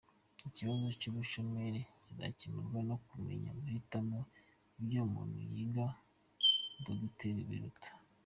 Ikibazo cy’ubushomeri kizakemurwa no kumenya guhitamo ibyo umuntu yiga-Dogiteri Biruta